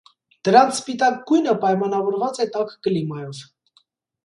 Դրանց սպիտակ գույնը պայմանավորված է տաք կլիմայով։